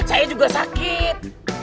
saya juga sakit